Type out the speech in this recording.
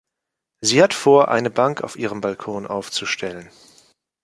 Sie hat vor, eine Bank auf ihrem Balkon aufzustellen.